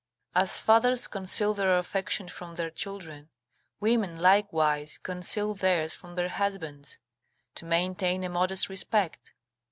As fathers conceal their affection from their children, women, likewise, conceal theirs from their husbands, to maintain a modest respect.